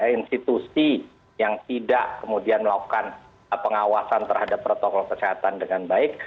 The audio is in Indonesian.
institusi yang tidak kemudian melakukan pengawasan terhadap protokol kesehatan dengan baik